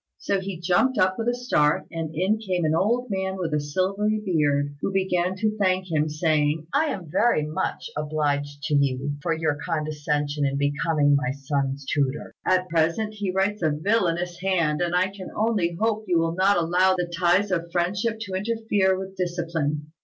So he jumped up with a start, and in came an old man with a silvery beard, who began to thank him, saying, "I am very much obliged to you for your condescension in becoming my son's tutor. At present he writes a villainous hand; and I can only hope you will not allow the ties of friendship to interfere with discipline."